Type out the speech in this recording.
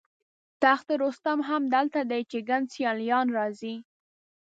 تخت رستم هم دلته دی چې ګڼ سیلانیان راځي.